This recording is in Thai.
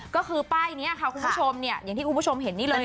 ก็คือป้ายนี้ค่ะคุณผู้ชมเนี่ยอย่างที่คุณผู้ชมเห็นนี่เลย